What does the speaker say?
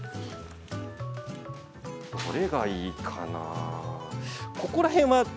どれがいいかな？